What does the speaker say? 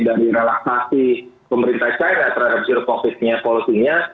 dari relaksasi pemerintah china terhadap sirup positifnya